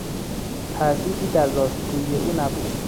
تردیدی در راستگویی او نبود.